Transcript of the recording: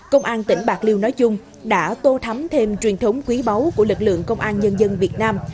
công an tỉnh bạc liêu nói chung đã tô thắm thêm truyền thống quý báu của lực lượng công an nhân dân việt nam